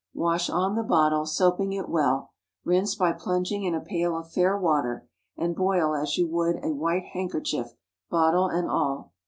Wash on the bottle, soaping it well, rinse by plunging in a pail of fair water, and boil as you would a white handkerchief, bottle and all.